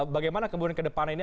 bagaimana kemudian ke depan ini